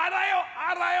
あらよ！